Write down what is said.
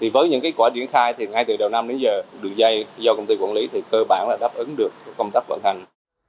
với những kết quả diễn khai ngay từ đầu năm đến giờ đường dây do công ty quản lý cơ bản là đáp ứng được công tác vận hành